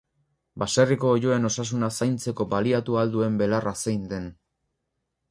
Baserriko oiloen osasuna zaintzeko baliatu ahal duen belarra zein den.